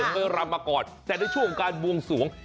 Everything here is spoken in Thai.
ไม่รำมาก่อนแต่ในช่วงการบวงสวง